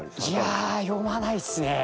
いや読まないっすね。